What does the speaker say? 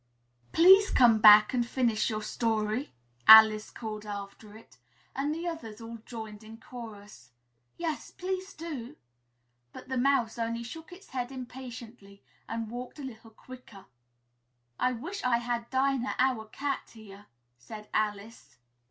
"Please come back and finish your story!" Alice called after it. And the others all joined in chorus, "Yes, please do!" But the Mouse only shook its head impatiently and walked a little quicker. "I wish I had Dinah, our cat, here!" said Alice.